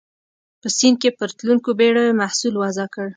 په سیند کې پر تلونکو بېړیو محصول وضع کړ.